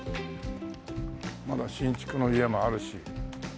まだ新築の家もあるし。